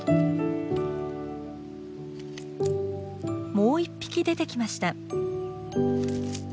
もう一匹出てきました。